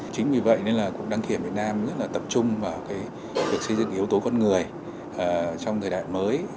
chính vì vậy nên là cục đăng kiểm việt nam rất là tập trung vào việc xây dựng yếu tố con người trong thời đại mới